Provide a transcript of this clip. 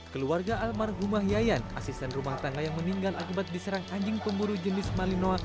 keluarga almarhumah yayan asisten rumah tangga yang meninggal akibat diserang anjing pemburu jenis malinoa